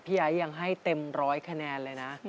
ไอ้ยังให้เต็มร้อยคะแนนเลยนะ